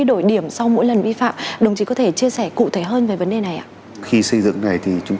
phạm sau mỗi lần vi phạm đồng chí có thể chia sẻ cụ thể hơn về vấn đề này ạ khi xây dựng này thì chúng